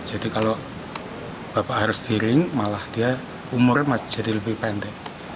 jadi kalau bapak harus diiring malah dia umurnya masih jadi lebih pendek